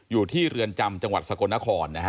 อยู่ที่เรือนจำจังหวัดสกลนครนะฮะ